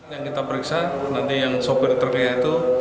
yang kita periksa nanti yang sopir truknya itu